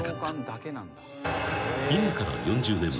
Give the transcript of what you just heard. ［今から４０年前］